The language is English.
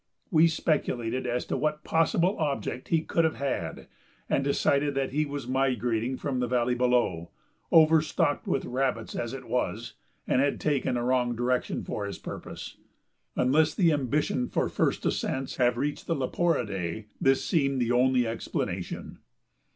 We speculated as to what possible object he could have had, and decided that he was migrating from the valley below, overstocked with rabbits as it was, and had taken a wrong direction for his purpose. Unless the ambition for first ascents have reached the leporidæ, this seems the only explanation.